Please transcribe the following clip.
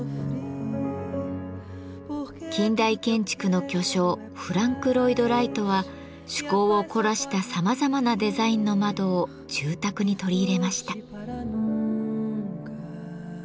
近代建築の巨匠フランク・ロイド・ライトは趣向を凝らしたさまざまなデザインの窓を住宅に取り入れました。